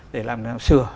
để làm sửa